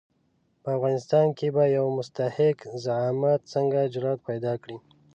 په افغانستان کې به یو مستحق زعامت څنګه جرآت پیدا کړي.